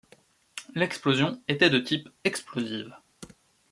L'explosion était de type explosive.